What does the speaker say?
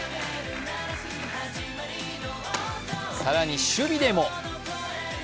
更に守備でも！